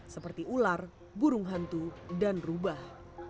seperti ular burung hantu dan rubah